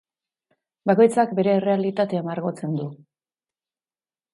Bakoitzak bere errealitatea margotzen du.